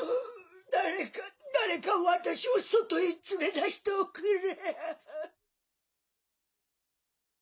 誰か誰か私を外へ連れ出しておくれ。